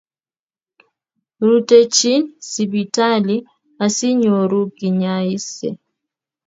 rutechin sipitali asiinyoru kanyoise